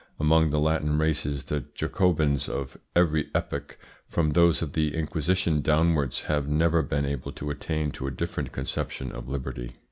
Among the Latin races the Jacobins of every epoch, from those of the Inquisition downwards, have never been able to attain to a different conception of liberty.